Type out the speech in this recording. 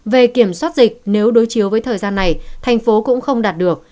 về kiểm soát dịch nếu đối chiếu với thời gian này thành phố cũng không đạt được